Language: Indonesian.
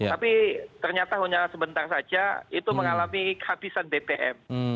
tapi ternyata hanya sebentar saja itu mengalami kehabisan bbm